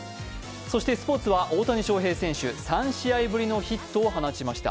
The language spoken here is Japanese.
そしてスポーツは大谷翔平選手、３試合ぶりのヒットを放ちました。